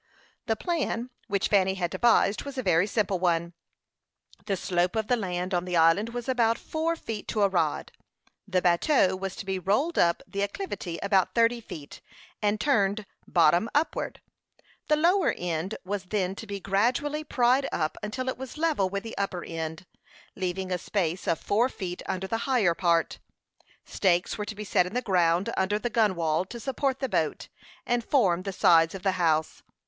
The plan which Fanny had devised was a very simple one. The slope of the land on the island was about four feet to a rod. The bateau was to be rolled up the acclivity about thirty feet, and turned bottom upward. The lower end was then to be gradually pried up until it was level with the upper end, leaving a space of four feet under the higher part. Stakes were to be set in the ground under the gunwale to support the boat, and form the sides of the house.